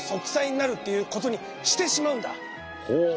ほう。